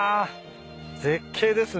絶景ですね。